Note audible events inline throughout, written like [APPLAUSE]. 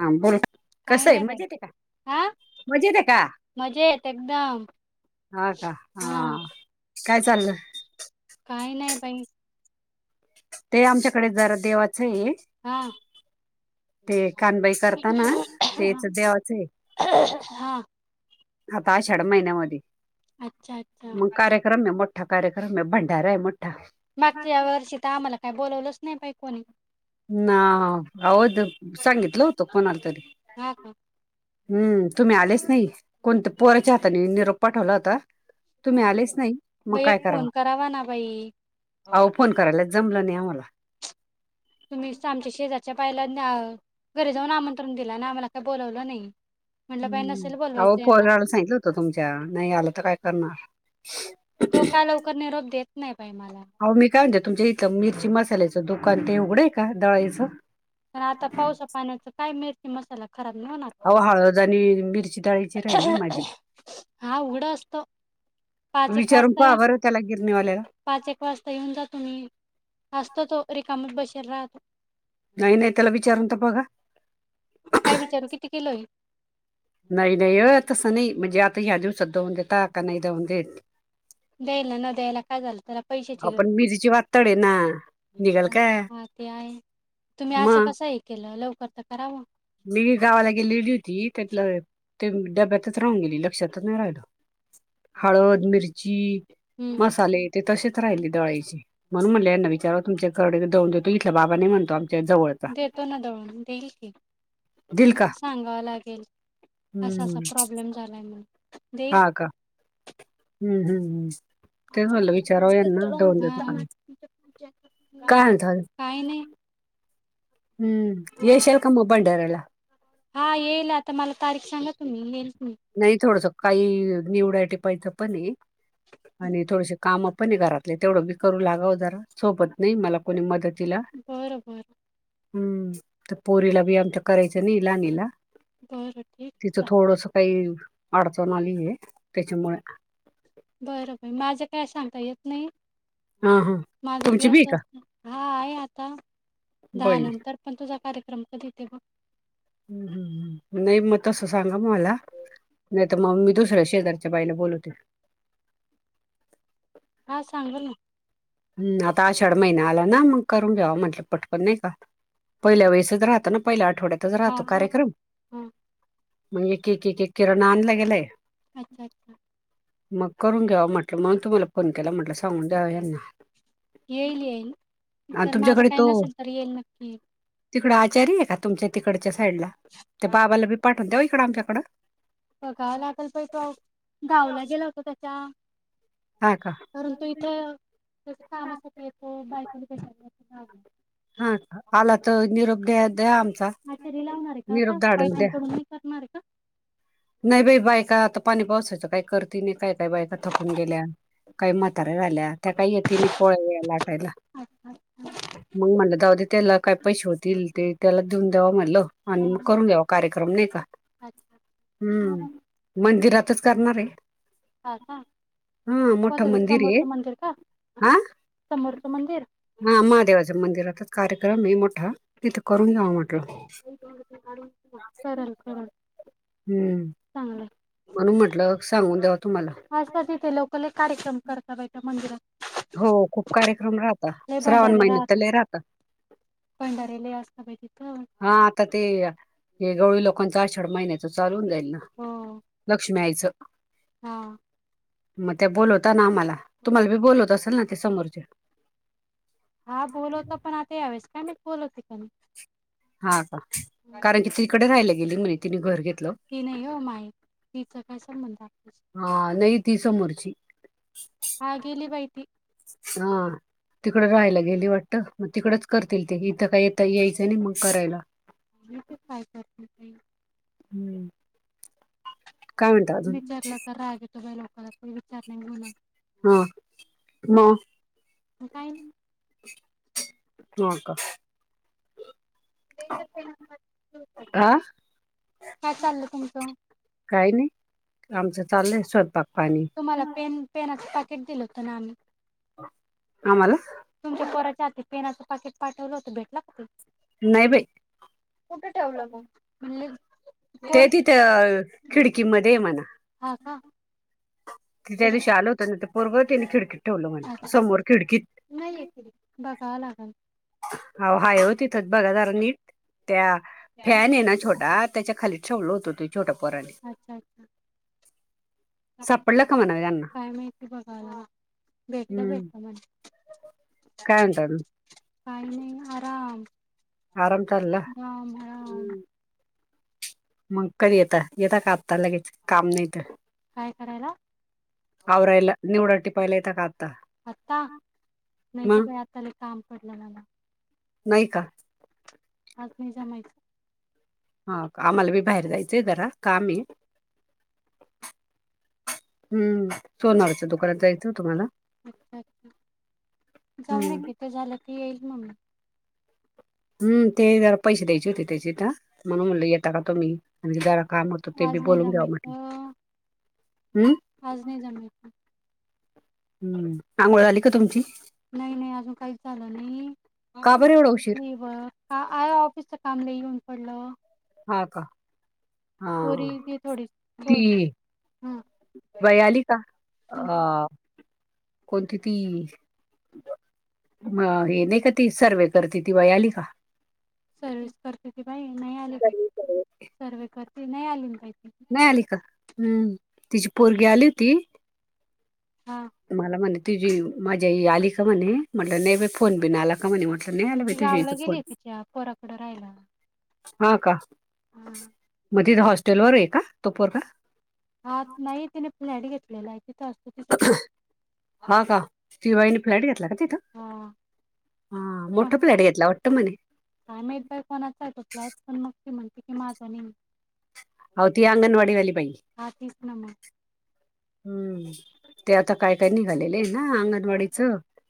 हा बोल कस काही आहे नाही बाई मजेत आहे का हा मजेत आहे का मज येत एकदम हा का हा काय चाललं काही नाही बाई ते आमच्याकडे जरा देवाचं आहे हा ते कानबाई करताना तेच देवाच आहे हा आता षड महिन्यामध्ये अच्छा अच्छा मग कार्यक्रमट ठ कार्यक्रम भंडारा आहे मो मागच्या या वर्षी तर आम्हाला काही बोलावलंच नाही बा कोणी ना आहद सांगितलं होतं कोणाला तरी हा का हम् तुम्ही आलेच नाही कोणत पोराच्या आातनी निरोप पाठवला होता तुम्ही आलेच नाही मग बाई एक काय कराव फोन करावा ना बाई अो फोन करायला जमलं नाही आम्हाला तुम्ही आमच्या शेजारच्या पायला घरी जाऊन आमंत्रण दिला आणि आम्हाला काही बोलावलं नाही म्हटलं बाई हम् नसेल अह बोलवायचं यांना परला सांगितलं होतं तुमच्या नाही आलं तर काय करणार तो का लवकर निरोप देत नाही बाई मला हो मी काय म्हते तुमच्या इथं मिरची मसाल्याचं दुकान ते उघडं आहे का दळाईचं तर आता पावसा पाण्याचा काय मिरची मसाला खराब नाही म्हणार अहो हळद आणि मिरची दळायची राहिली माझी. हा उघडं असत. पाच एक विचारून वाजता पहा या बरं त्याला गिरणीवाल्याला पाच एक वाजता येऊन जा तुम्ही, असतो तो रिकामच बशेल राहतो. नाही नाही त्याला विचारून त बघ काय विचारू किती किलोये. नाही नाही तसं नाही म्हणजे आता ह्या दिवसात दळून देत का नाही दळून देत. देला नो देयला कागल [INAUDIBLE] आपण मिरीची वाततडे आहे ना निघाल का, हा ते आहे तुम्ही असं मग कस हे केलं लवकर तर करावं मी गावाला गेलीलेली होती त्यातलं ते डब्यातच राहून गेली लक्षातच नाही राहिलं. हळद, मिरची, हम्म मसाले. ते तसेच राहिले दळायची म्हणून म्हणले यांना विचारा तुमच्या कडे दळून देतो इथल्या बाबा नाही म्हणतो. जवळचा. देतो ना दळून देईल की, दिल ला का सांगाव लागेल असा असा हम्म प्रॉब्लेम झालाय म्हण, हा का हम्म हम्म हम्म ते च म्हटलं विचारावं यांना दळून हा देता काय. काही नाही हम्म येशल काय भंडाराला हा येईल आता मला तारीख सांगा तुम्ही येईल? मी नाही थोडस काही निवडा ठिपायच पण आणि थोडसे काम पण घरातले तेवढं बी करू लागाव जरा सोबत नाही मला कोणी मदत बरं बरं हम्म तर पोरीला बी आमच्या करायचं नाही लहानीला, बरं ठीक ल का अडचण आली आहे त्याच्यामुळे बरं बर माझं काय सांगता येत नाही. हा हा माझा तुमची बी आहे का असंच हा आहे आता दहा बाई नंतर पण तुझा कार्यक्रम कधीेते बघ ह् हम नाही मग तस सांगा म मला तर मग मी दुसऱ्या शेजारच्या बाईला बोलवते. हा सांग ना, हम् आता आषाढ महिना आला ना मग करून घ्यावा म्हटलं पटकन नाही का, पहिल्या वेळेसच राहतो ना पहिल्या आठवड्यातच हा राहतो का कार्यक्रम हा म्हणजे की की की किरणा आणला गेलाय. अच्छा अच्छा मग करून घ्यावा म्हटलं म्हणून तुम्हाला फोन केला म्हटलं सांगून द्याव यांना येईल येईल आणि तर माझं काही नसेल तर येईल नक्की, तिकडं आचारी आहे का तुमच्या तिकडच्या साईड ला त्या बाबाला बी पाठवून द्याव इकडं आमच्याकडं बघाव लागल पण तो गावाला गेला होता त्याच्या हा का कारण तु इथ त्या कामासाठी येतो बायक हम हा आला तर निरोप द्या आमचा हा तरी लावणार आहे का निरोप आता धाडून द्या बायकांकडून मी करणार आहे का, नाही बाई बायका आता पाणी पावसायचं काय करतीने काय काय बायका थकून गेल्या काही म्हातऱ्या राहिल्या, त्या काही य ति नि पोळ्या बीळ्या लाटायला अच्छा अच्छा मग म्हणलं जाऊदे त्याला काय पैसे होतील ते त्याला देऊन द्यावा म्हटलं आणि हा मग करून घ्यावा कार्यक्रम नाही का, अच्छा हा हम्म मंदिरातच करणार आहे. का का हा मोठं कोणतं ते मंदिर आहे समोरचं मंदिर समोरचं मंदिर हा महादेवाच्या मंदिरातच कार्यक्रम आहे मोठा तिथे करून घेऊ वाटत करल करल हम्म चांगलंय म्हणून म्हटलं सांगून द्यावं आजकाल तिथे लोक लय कार्यक्रम करतात बाई त्या मंदिरात हो खूप कार्यक्रम राहतात लय श्रावण भंडारे महिन्यात त लय राहतात भंडारे लय असतात बाई तिथे हा आता ते हे गवळी लोकांचा आषाढ महिन्याच चालू होऊन जाईल हो लक्ष्मी आईच हा मग त्या बोलवता ना आम्हाला तुम्हाला बी बोलवत असेल ना ते समोरचे हा बोलवत पण आता यावेस का म बोलते का हा का नाही कारण की तिकडे राहायला गेली म्हणे तिने घर घेतल ती नाही हो माई तिचा काय संबंध आहे हा नाही ती समोरची हा गेली बाई ती तिकडं राहायला गेली वाटत मग तिकडच करतील ते इथं काय येता यायचं नाही मग करायला के माहिती के करतात ते लोक हम्म. काय म्हणता अजून त्यांनी काय लोकांला पण विचारलेलं नव्हतं हा म मग काय हो का [INAUDIBLE] हा काय चालल तुमचं काही नाही आमचं चाललंय स्वयंपाक पाणी तुम्हाला पेन पेनाच पॅकेट दिलं होतं ना आम्ही आम्हाला तुमच्या पोराच्या हाती पेनाचं पाकिट पाठवलं होतं भेटल का ते नाही बाई कुठे ठेवलं मग म्हल्ली ते तिथे खिडकीमध्येध्ये म्हणा हा का तिथे शाल होतो ते पर् तिने खिडक अच्छा अच्छा नाही एकरी बघा लागल हो हाय हो तिथंच बघा जरा नीट त्या फॅन आहे ना छोटा त्याच्या खाली छेवल होतो त छोट्या पोराने अच्छा अच्छा सपडला का म्हणा त्यांना काय माहिती बघावं लागल. भेटलं हम्म भेटलं म्हण काय म्हणता मग काही नाही आराम आराम चालला राम राम मग कधी येता येेत का आता लगेच काम नाही तर काय करायला? आरेला निवड टिपईलायता काात आत्ता नाही का मग बा आताला काम पडले मला नाही का आज नाही जमायच हा आम्हाला बी बाहेर जायचंय जरा काम आहे हम्म सोनारच दुकानात जायचं तुम्हाला अच्छा अच्छा जाऊ नकीि हम्म ते झालं त येईल मग हम् ते जरा पैसे द्यायचे होते त्याची तर म्हणून म्हणल येेतता का तुम्ही म्ह जरा काम होतं ते बी आज नाही बोलून घ्यावा म्ह जमायचं आज नाही जन हम्म आंघोळ आली का तुमची नाही नाही अजून काहीच झालं नाही का बरं एवढा उशीर नाही ब का आ ऑफिसच कामला येऊन पडलं हा का हा पोरी दे थोडी बोल ती हा. वयाली का अ कोणती ती म हे नाही का ती सर्व करते ती व आली का सर्वस करते की बाई नाही आले सर्वे सर्वे. सर्व करते नाही आली काही नाही आली का हम्म तिची पोरगी आली होती हा मला म्हणे तुझी माझ्या आलीिका म्हणे म्ह नाही फोन बीन आला का म्हणे म्हटलं नाही मग आला ती गावला तुझ्याचा फोन गेली तिच्या पोराकडं राहायला हा का हा. मध हॉस्टेलवरर आहे का तोपोरग हा नाही तिने पुण्या अड घेतलेला तिथं असतो तिथं हा का सिवाईने फ्लॅट घेतला का तिथं हा. हा कोण मोठा प्लॅट घेतला वाटत म्हणे काय माहीतय कोणाचा तो फ्लॅट पण मग ती म्हणते की माझं न आ त अंगनवाडी वाली प तीच ना मग हम्म ते आता काय काय निघालेले आहे ना अंगणवाडी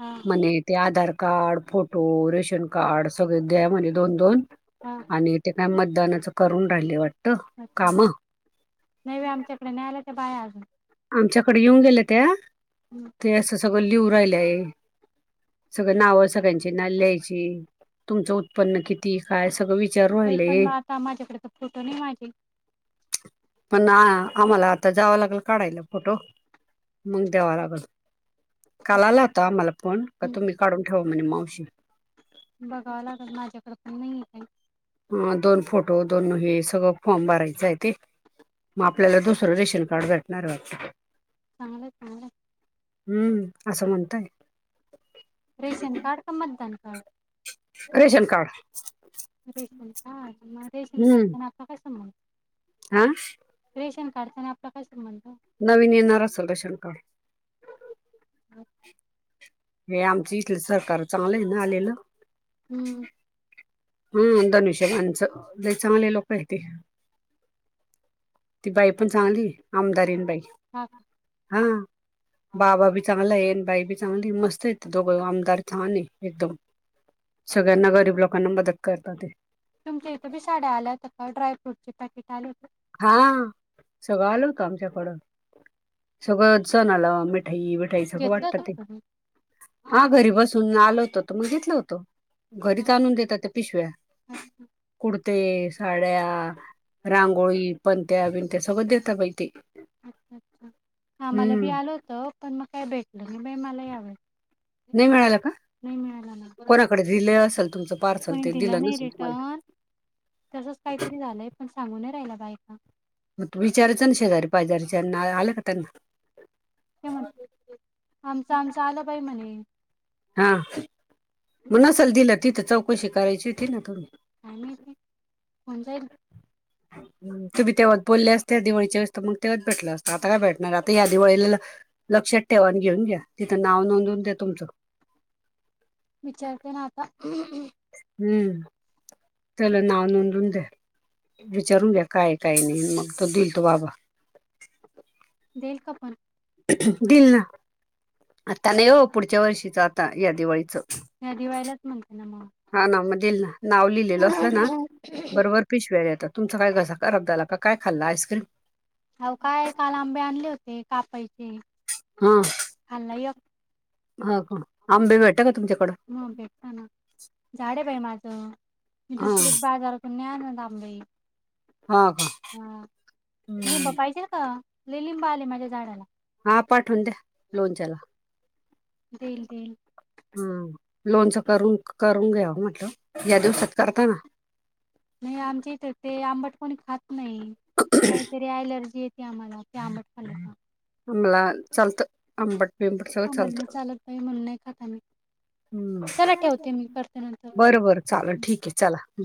हा म ते Aadhaar card photo ration card सगळे द्या म्हणजे दोन दोन हा आणि ते काय म दानाच करून राहिले वाट अच्छा नाहीवे आमच्याकडे न्यायालयाच्या बाहे अजून आमच्याकडे येऊन गेल्या त्या बाई ते असं सगळं लिऊ राहिल आहे सगळं नाव सगळ्यांची ना लियची तुमचं उत्पन्न किती काय सगळं विच बाई पण मग आता माझ्याकडे तर फोटो नाही माझे पण आ- आम्हाला आता जावं लागेल काढायला फोटो मग द्यावा लागल काल आला आता मला फोण का तुम्ही काढून ठेवा म्हणे मावशी बघाव लागत माझ्याकडे पण नाही का अ दोन फोटो दोन हे सगळं फॉर्म भरायचं आहे ते मग आपल्याला दुसरं रेशन कार्ड भेटणार चांगलं चांगलं हम्म असं म्हणतय रेशन कार्ड का मतदान कार्ड रेशन कार्ड रेशम का मग रेशीम काढताना आता कसं म्हणत आा कारखना प्र येणार असेल रेशन कार्ड हे आमचं इथलं सरकार चांगलं आहे ना आलेलं हम्म हम धनुष्यबणचं जे चांगले लोक आहेत ते ती बाई पण चांगली आमदार येन बाई हा का हा बाबा बी चांगला येन बाई बी चांगली मस्त येत दोघं आमदार चांले एकदम सगळ्यांना गरीब लोकांना मदत करतात ते तुमच्या इथे बी साड्या आल्यात काडायफ्रूटचे पॅकेट आले होत आमच्याकड सगळं जण आला मिठाई विठाई सगळं घेतलं वाटत होतं का ते तुम्ही हा घरी बसून आल होतं तर मगघितलं होतो घरीच आणून देतात त्या पिशव्या अच्छा अच्छा कुड ते साड्या रांगोळी पणंत्या बिंत्या सगळं देत पाहि ते अच्छा अच्छा हा मला बी हम्म आल होतं पण मग काय भेटलं नाही बा मला याव नाही मिळाला नाही मिळाला ना बर असेल तुमचं पार्सल कोणी ते दिला दिलं नाही नसेल तुम्हाला रिटन तसच काहीतरी झालंय पण सांगू नाही राहिला बायक मग विचारायचं ना शेजारी पाहिजारीच्याना आले का त्यांना ते म्हट आमचं आमचं आलं पाई म्हणे हा म असल दिलं तिथं चौकशी कराायची होती ना थोडी आणिम ते होज ना ह तुम्ही तेव्हा बोलले असतते दिवाळीच्या वळे तर मग तेव्हाच भेटलं असतं आता काय भेटणार आता या्या दिवाळीला लक्षात ठेवान घेऊन घ्या तिथं नाव नोंदून दे तुमचं विचारते ना आता हम्म त्याला नाव नोंदून द्या विचारू द्या काय काही नाही मग तो दिल तो बाबा देईल का पण दिल ना आता नाही हो पुढच्या वर्षीच आता या दिवाळीचं या दिवाळीलाच म्हणते ना मग हा ना मजील ना नाव लिहिलेलं असलं ना बरोबर पिशव्यार येत तुमचा काय घसा अरबदा झाला काय खाल्ला आईस्क्रीम हो काय काल आंबे आणले होते कापायचे हम खाल्ला एक हा का अंबेबट म भेटताना झाडे बाई माझं मी हा दुसरी बाजारकून न आण द हा का हा लिंब हम्म. पाहिजे का लिंब आले माझ्या झाडाला र द लोन चला दई दईल लोनच करून करून घ्या म्हटल या दिवसात करताना नाही आमच्या इथ ते आंबट कोणी खात नाही काहीतरी अलर्जी ते आम्हाला ते आंबट खाल् आम्हाला चालतं अंबट बिंबट सगळं आम्हाला नाही चालतं चालत बाई म्हणून नाही खात आम्ही. हम्म चला ठेवते मी करते नंतर. बर बर चाल ठीक आहे चला बाय